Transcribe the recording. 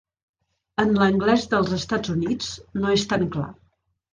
En l'anglès dels Estats Units, no és tan clar.